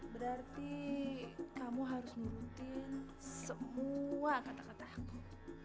berarti kamu harus nurutin semua kata kata aku